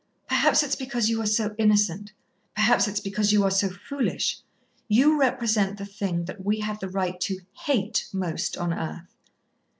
Perhaps it's because you are so innocent, perhaps it's because you are so foolish. You represent the thing that we have the right to hate most on earth."